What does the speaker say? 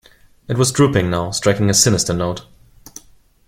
It was drooping now, striking a sinister note.